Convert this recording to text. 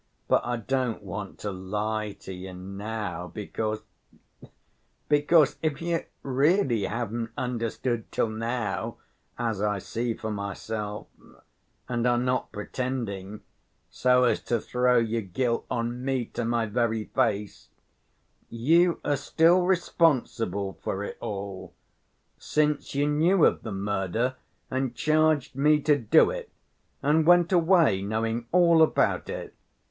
But I don't want to lie to you now, because ... because if you really haven't understood till now, as I see for myself, and are not pretending, so as to throw your guilt on me to my very face, you are still responsible for it all, since you knew of the murder and charged me to do it, and went away knowing all about it.